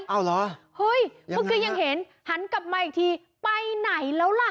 เอ้าร้อยยังเห็นหันกลับมาอีกทีไปไหนแล้วล่ะ